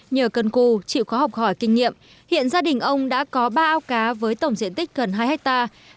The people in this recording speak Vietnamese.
nhờ cân cù chịu khó học hỏi kinh nghiệm hiện gia đình ông đã có ba ao cá với tổng diện tích gần hai hectare